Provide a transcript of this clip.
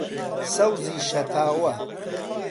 سەوزی شەتاوە